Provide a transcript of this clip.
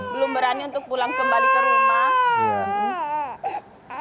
belum berani untuk pulang kembali ke rumah